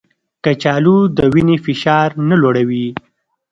کچالو د وینې فشار نه لوړوي